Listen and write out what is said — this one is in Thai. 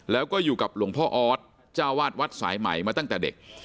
แล้วก็อยู่กับหลวงพ่อออสเจ้าวาดวัดสายใหม่มาตั้งแต่เด็ก